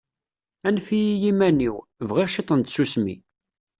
Anef-iyi iman-iw, bɣiɣ ciṭ n tsusmi